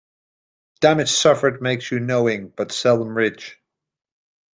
Damage suffered makes you knowing, but seldom rich.